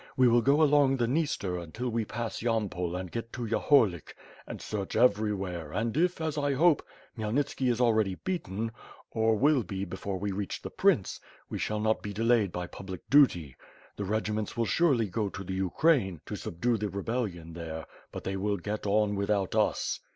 We will go along the Dniester until we pass Yampol and get to Yahorlik, and search everywhere, and, if, as I hope, Khymelnitski is already beaten, or will be before we reach the prince, we shall not be delayed by public duty. The regiments will surely go to the Ukraine, to subdue the rebellion there, but they will get on without us."